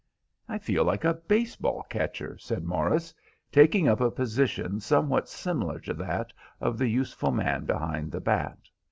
"I feel like a base ball catcher," said Morris, taking up a position somewhat similar to that of the useful man behind the bat.